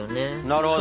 なるほど。